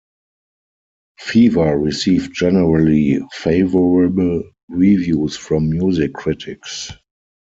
"Fever" received generally favourable reviews from music critics.